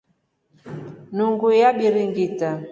Nungu yabiringitra.